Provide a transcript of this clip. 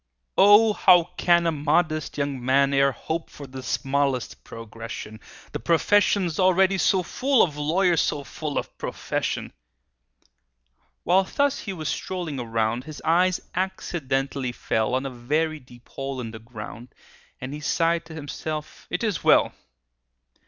"O, how can a modest young man E'er hope for the smallest progression,— The profession's already so full Of lawyers so full of profession!" While thus he was strolling around, His eye accidentally fell On a very deep hole in the ground, And he sighed to himself, "It is well!"